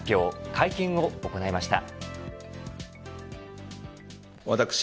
会見を行いました。